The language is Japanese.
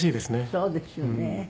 そうですよね。